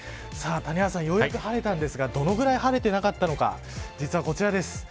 谷原さん、ようやく晴れましたがどのくらい晴れていなかったのか実はこちらです。